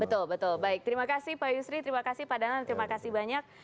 betul betul baik terima kasih pak yusri terima kasih pak danang terima kasih banyak